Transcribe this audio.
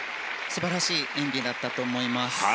素晴らしい演技だったと思います。